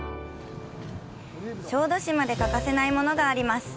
小豆島で欠かせないものがあります。